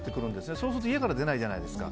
そうすると家から出ないじゃないですか。